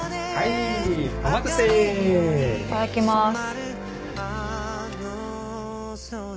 いただきます。